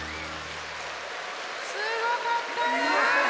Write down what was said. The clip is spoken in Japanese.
すごかったね！